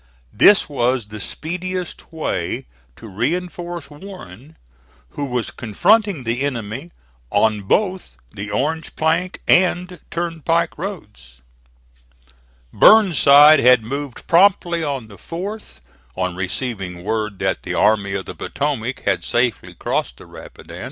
This was the speediest way to reinforce Warren who was confronting the enemy on both the Orange plank and turnpike roads. Burnside had moved promptly on the 4th, on receiving word that the Army of the Potomac had safely crossed the Rapidan.